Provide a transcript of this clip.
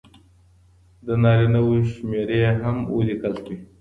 د نارینه وو شمېرې هم ولیکل سوې.